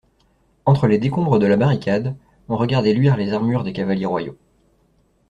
Entre les décombres de la barricade, on regardait luire les armures des cavaliers royaux.